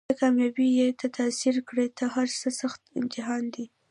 ته کامیاب یې تا تېر کړی تر هرڅه سخت امتحان دی